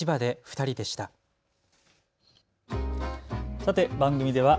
さて番組では＃